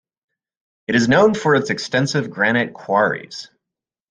It is known for its extensive granite quarries.